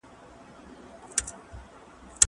زه د کتابتون پاکوالی کړی دی؟!